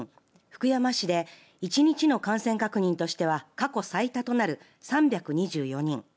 福山市で１日の感染確認としては過去最多となる３２４人。